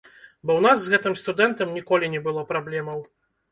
Бо ў нас з гэтым студэнтам ніколі не было праблемаў.